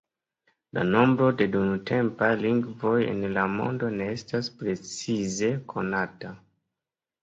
La nombro de nuntempaj lingvoj en la mondo ne estas precize konata.